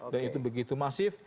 dan itu begitu masif